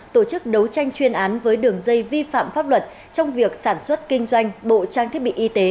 tổ chức đấu tranh chuyên án với đường dây vi phạm pháp luật trong việc sản xuất kinh doanh bộ trang thiết bị y tế